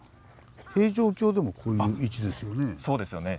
平城京でもこういう位置ですよね。